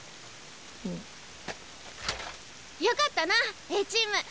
よかったなＡチーム。